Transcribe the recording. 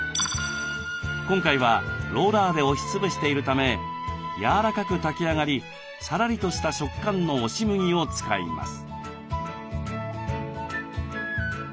今回はローラーで押し潰しているためやわらかく炊き上がりさらりとした食感の押し麦を使います。